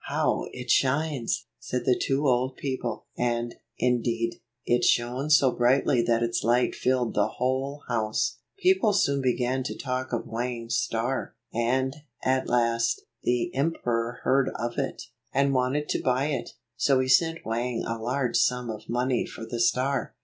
"How it shines!" said the two old people, and, indeed, it shone so brightly that its light filled the whole house. People soon began to talk of Wang's star, and, at last, the emperor heard of it, and wanted to buy it. So he sent Wang a large sum of money for the star.